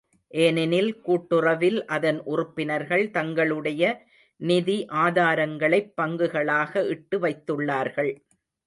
ஏனெனில் கூட்டுறவில் அதன் உறுப்பினர்கள் தங்களுடைய நிதி ஆதாரங்களைப் பங்குகளாக இட்டு வைத்துள்ளார்கள்.